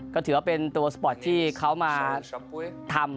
ก็ถือว่าเป็นตัวสปอร์ตที่เขามาทำ